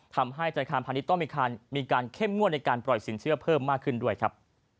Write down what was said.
ทำให้ธนาคารพาณิชย์ต้องมีการเข้มงวดในการปล่อยสินเชื่อเพิ่มมากขึ้นด้วยครับ